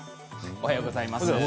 おはようございます。